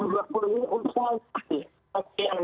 dari mulai dari starting pekerjaan sampai dengan hari pertama